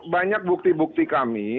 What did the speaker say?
banyak bukti bukti kami